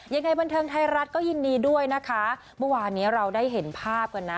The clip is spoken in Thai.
ยังไงบันเทิงไทยรัฐก็ยินดีด้วยนะคะเมื่อวานนี้เราได้เห็นภาพกันนะ